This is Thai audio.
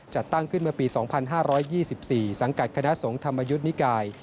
จัดตั้งขึ้นเมื่อปี๒๕๒๔สังกัดคณะสงฆ์ธรรมยุทธ์นิกาย